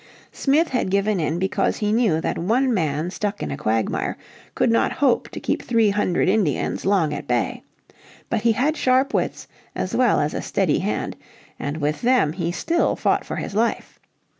Smith had given in because he knew that one man stuck in a quagmire could not hope to keep three hundred Indians long at bay. But he had sharp wits as well as a steady hand, and with them he still fought for his life.